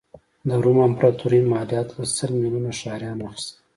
د روم امپراتوري مالیات له سل میلیونه ښاریانو اخیستل.